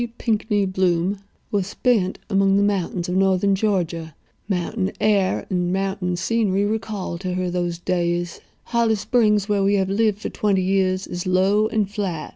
Pinkney Bloom, "were spent among the mountains of northern Georgia. Mountain air and mountain scenery recall to her those days. Holly Springs, where we have lived for twenty years, is low and flat.